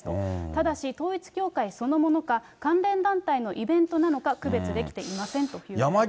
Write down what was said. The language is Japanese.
ただし統一教会そのものか、関連団体のイベントなのか区別できていませんということです。